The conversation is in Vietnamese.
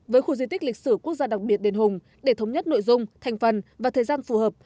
với khu di tích lịch sử quốc gia đặc biệt đền hùng để thống nhất nội dung thành phần và thời gian phù hợp